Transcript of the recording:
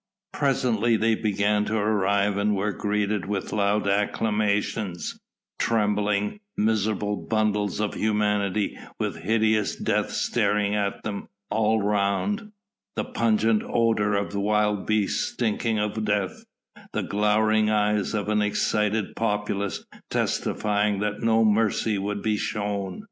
Presently they began to arrive and were greeted with loud acclamations trembling, miserable bundles of humanity with hideous death staring at them all round, the pungent odour of wild beasts stinking of death, the glowering eyes of an excited populace testifying that no mercy would be shown.